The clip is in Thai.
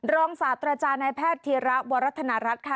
รองสาปตราจารย์ในแพทย์ทีระวรัฐนรัฐค่ะ